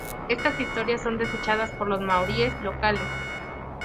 Estas historias son desechadas por los maoríes locales.